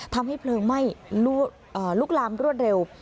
ทำให้เพลิงไหม้ลุกลามรวดเร็ว